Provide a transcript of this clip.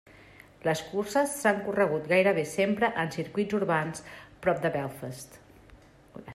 Les curses s'han corregut gairebé sempre en circuits urbans prop de Belfast.